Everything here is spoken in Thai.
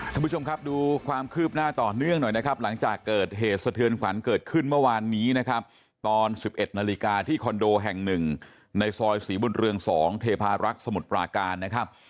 ท่านผู้ชมครับดูความคืบหน้าต่อเนื่องหน่อยนะครับหลังจากเกิดเหตุสะเทือนขวัญเกิดขึ้นเมื่อวานนี้นะครับตอน๑๑นาฬิกาที่คอนโดแห่งหนึ่งในซอยศรีบุญเรือง๒เทพารักษ์สมุทรปราการนะครับ